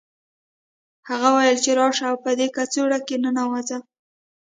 هغه وویل چې راشه او په دې کڅوړه کې ننوځه